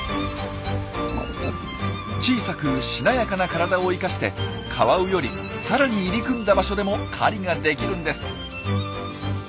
小さくしなやかな体を生かしてカワウよりさらに入り組んだ場所でも狩りができるんです。